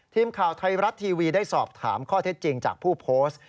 ทีมข่าวไทยรัฐทีวีได้สอบถามข้อเท็จจริงจากผู้โพสต์